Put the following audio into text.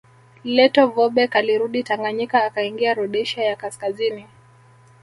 Lettow Vorbeck alirudi Tanganyika akaingia Rhodesia ya Kaskazini